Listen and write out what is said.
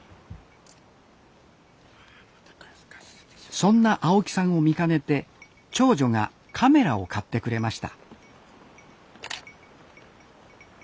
そんな青木さんを見かねて長女がカメラを買ってくれました